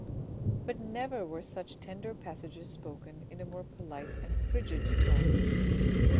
But never were such tender passages spoken in a more polite and frigid tone.